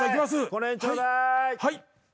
この辺ちょうだーい！